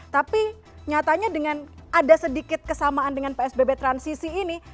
tapi nyatanya dengan ada sedikit kesamaan dengan psbb transisi ini